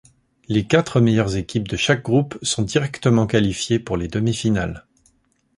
Les quatre meilleures équipes de chaque groupe sont directement qualifiées pour les demi-finales.